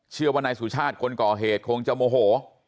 เชื่อว่านายสุชาติคนก่อเหตุคงจะโมโห